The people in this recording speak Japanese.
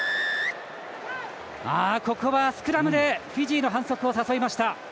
ここはスクラムでフィジーの反則を誘いました。